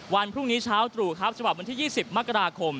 วันพรุ่งนี้เช้าตรู่ครับฉบับวันที่๒๐มกราคม